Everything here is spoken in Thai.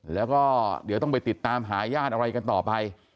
แล้วก็เดี๋ยวต้องไปติดตามหาญาติอะไรกันต่อไป